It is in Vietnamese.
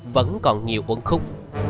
vẫn còn nhiều quấn khúc